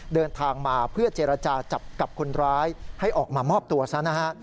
เดินทางมาเพื่อเจรจาจับกับคนร้ายให้ออกมามอบตัวซะนะฮะ